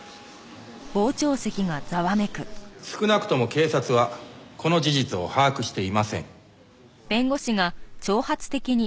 少なくとも警察はこの事実を把握していません。